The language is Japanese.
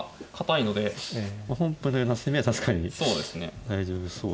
本譜のような攻めは確かに大丈夫そうですね。